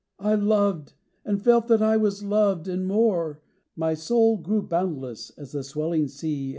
I loved! And felt that I was loved and more. My soul grew boundless as the swelling sea.